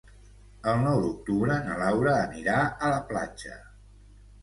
El nou d'octubre na Laura anirà a la platja.